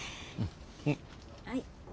はい。